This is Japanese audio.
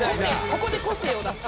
ここで個性を出す。